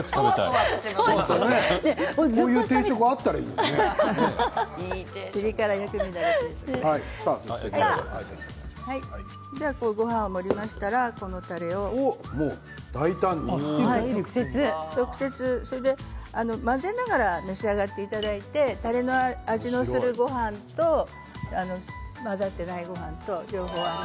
こういう定食あったらいいごはんを盛りましたら薬味だれを直接混ぜながら召し上がっていただいてたれの味のするごはんと混ざっていないごはんと両方。